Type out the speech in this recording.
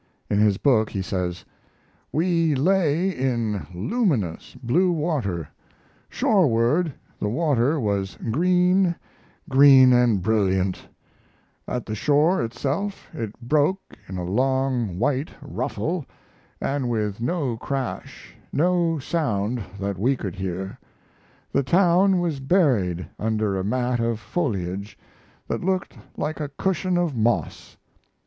In his book he says: We lay in luminous blue water; shoreward the water was green green and brilliant; at the shore itself it broke in a long, white ruffle, and with no crash, no sound that we could hear. The town was buried under a mat of foliage that looked like a cushion of moss.